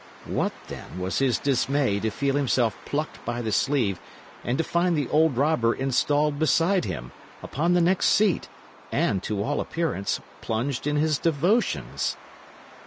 What, then, was his dismay to feel himself plucked by the sleeve and to find the old robber installed beside him, upon the next seat, and, to all appearance, plunged in his devotions!